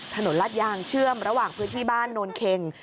ถนนลาดยางเชื่อมระหว่างพื้นที่บ้านโนนเข็ง